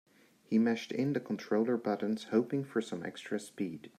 He mashed in the controller buttons, hoping for some extra speed.